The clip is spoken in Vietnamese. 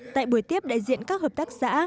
tại buổi tiếp đại diện các hợp tác xã